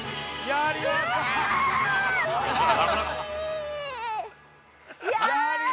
やりました！